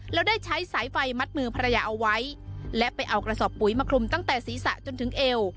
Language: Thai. แล้วได้ใช้สายไฟมัดมือภรรยาเอาไว้และไปเอากระสอบปุ๋ยมาคลุมตั้งแต่ศีรษะจนถึงเอว